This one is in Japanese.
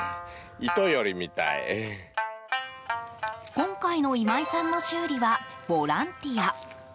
今回の今井さんの修理はボランティア。